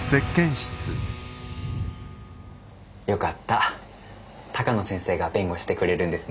よかった鷹野先生が弁護してくれるんですね？